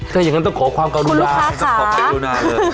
ใช่อย่างนั้นต้องขอความกับดูนาคุณลูกค้าค่ะต้องขอความกับดูนาเลย